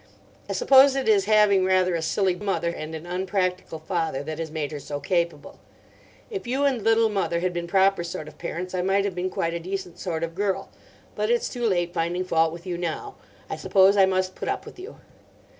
I suppose it is having rather a silly mother and an unpractical father that has made her so capable. If you and Little Mother had been proper sort of parents I might have been quite a decent sort of girl. But it's too late finding fault with you now. I suppose I must put up with you.